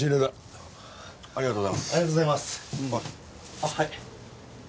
あっはい。